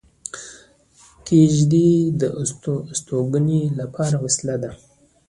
کېږدۍ د استوګنې لپاره وسیله ده